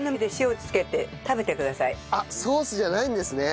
あっソースじゃないんですね。